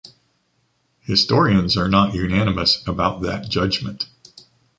Historians are not unanimous about that judgement.